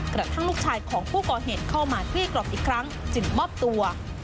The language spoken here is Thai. กระดับทั้งลูกชายของผู้ก่อเหตุเข้ามาเครียรกรอบอีกครั้งจึงบ้อบตัว